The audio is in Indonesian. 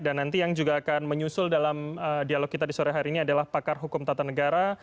dan nanti yang juga akan menyusul dalam dialog kita di sore hari ini adalah pakar hukum tata negara